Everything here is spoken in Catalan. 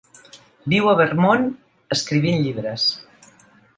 Viu a Vermont escrivint llibres.